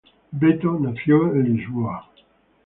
Beto nació en Lisboa.